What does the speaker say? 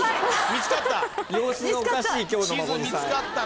見つかった。